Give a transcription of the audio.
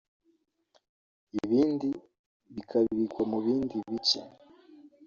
ibindi bikabikwa mu bindi bice